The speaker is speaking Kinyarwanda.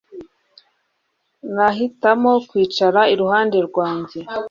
Nahitamo kwicara iruhande rwanjye